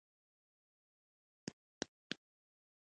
په ژمي کې هوا سړه وي